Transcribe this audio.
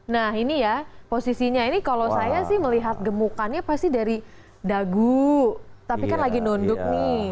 nah ini ya posisinya ini kalau saya sih melihat gemukannya pasti dari dagu tapi kan lagi nunduk nih